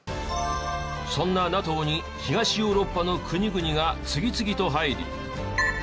そんなＮＡＴＯに東ヨーロッパの国々が次々と入り。